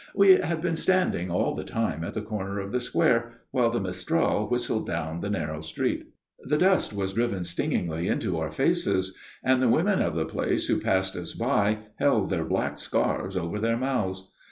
We had been standing all the time at the corner of the square, while the mistral whistled down the narrow street. The dust was driven stingingly into our faces, and the women of the place who passed us by held their black scarves over their mouths.